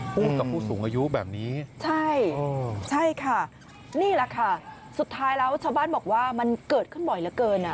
พูดกับผู้สูงอายุแบบนี้ใช่ใช่ค่ะนี่แหละค่ะสุดท้ายแล้วชาวบ้านบอกว่ามันเกิดขึ้นบ่อยเหลือเกินอ่ะ